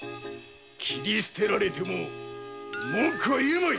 斬り捨てられても文句は言えまい！